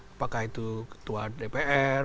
apakah itu ketua dpr